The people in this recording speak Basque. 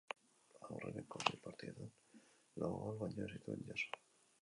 Aurreneko sei partidetan lau gol baino ez zituen jaso.